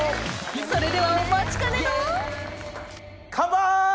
それではお待ちかねのカンパイ！